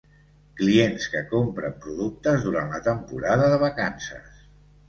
Clients que compren productes durant la temporada de vacances.